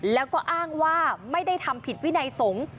แล้วก็อ้างว่าไม่ได้ทำผิดวินัยสงฆ์